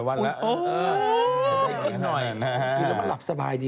โอ้โหจะกินหน่อยนะครับกินแล้วมาหลับสบายดี